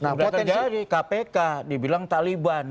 tidak terjadi kpk dibilang taliban